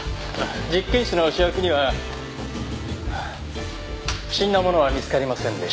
実験室の試薬には不審なものは見つかりませんでした。